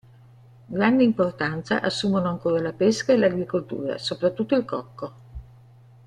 Grande importanza assumono ancora la pesca e l'agricoltura, soprattutto il cocco.